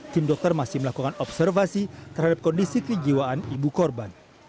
tim dokter masih melakukan observasi terhadap kondisi kejiwaan ibu korban